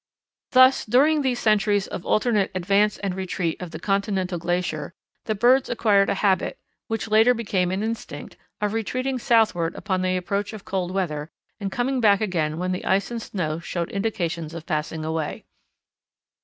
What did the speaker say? Thus during these centuries of alternate advance and retreat of the continental glacier, the birds acquired a habit, which later became an instinct, of retreating southward upon the approach of cold weather and coming back again when the ice and snow showed indications of passing away.